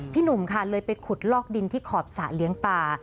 หนุ่มค่ะเลยไปขุดลอกดินที่ขอบสระเลี้ยงปลา